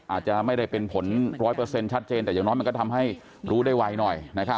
อาจจะไม่ได้เป็นผล๑๐๐ชัดเจนแต่อย่างน้อยมันก็ทำให้รู้ได้ไวหน่อย